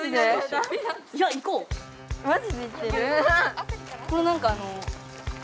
マジで言ってる？